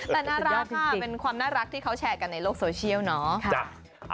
แต่น่ารักค่ะเป็นความน่ารักที่เขาแชร์กันในโลกโซเชียลเนาะ